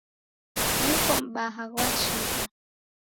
Mwiko mbaha ghwachika.